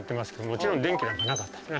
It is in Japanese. もちろん電気なんかなかった。